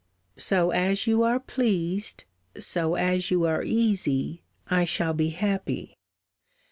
So as you are pleased, so as you are easy, I shall be happy.